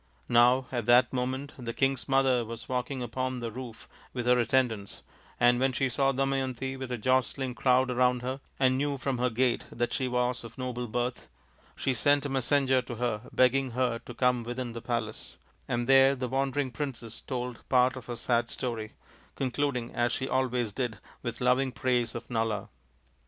Now at that moment the king's mother was walking upon the roof with her attend ants, and when she saw Damayanti with a jostling crowd around her, and knew from her gait that she was of noble birth, she sent a messenger to her begging her to come within the palace ; and there the wandering princess told part of her sad story, concluding, as she always did, with loving praise of Nala.